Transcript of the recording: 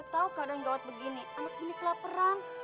udah tau kadang gawat begini anak ini kelaparan